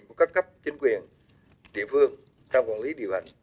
của các cấp chính quyền địa phương trong quản lý điều hành